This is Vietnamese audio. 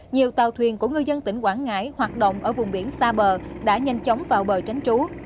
nhiều tàu thuyền của ngư dân tỉnh quảng ngãi hoạt động ở vùng biển xa bờ đã nhanh chóng vào bờ tránh trú